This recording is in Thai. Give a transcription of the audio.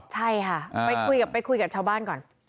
ใช่ค่ะไปคุยกับชาวบ้านก่อน